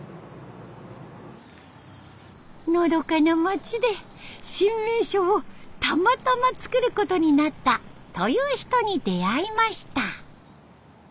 のどかな町で新名所をたまたまつくることになったという人に出会いました。